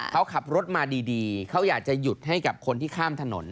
เขาขับรถมาดีเขาอยากจะหยุดให้กับคนที่ข้ามถนน